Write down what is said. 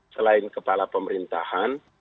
selain kepala pemerintahan